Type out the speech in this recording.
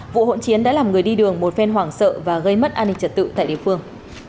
vụ hỗn chiến đã làm người đi đường một phen hoảng sợ và gây mất an ninh trật tự tại địa phương